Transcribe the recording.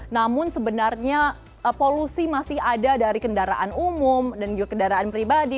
namun sebenarnya polusi masih ada dari kendaraan umum dan juga kendaraan pribadi